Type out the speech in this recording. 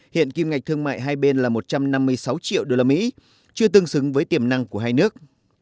hiện kim ngạch thương mại hai bên là một trăm năm mươi sáu triệu usd chưa tương xứng với tiềm năng của hai nước